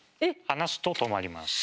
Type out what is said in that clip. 離すと止まります。